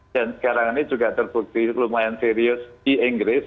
dan sekarang ini juga terbukti lumayan serius di inggris